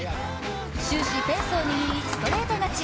終始ペースを握りストレート勝ち。